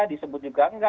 disebut juga nggak